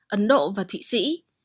ấn độ và thụy sĩ